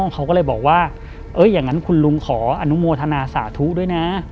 เขาก็เลยบอกว่าอย่างนั้นคุณลุงขออนุโมทนาสาธุด้วยนะ